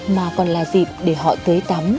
mà còn là dịp để họ tế tắm